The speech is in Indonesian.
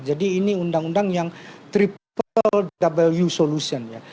jadi ini undang undang yang triple w solution